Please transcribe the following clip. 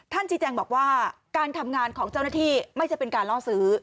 ชี้แจงบอกว่าการทำงานของเจ้าหน้าที่ไม่ใช่เป็นการล่อซื้อ